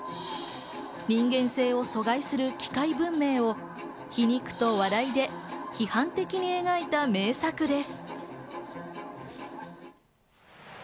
人間性を疎外する機械文明を皮肉と笑いで批判的に描いた名作です。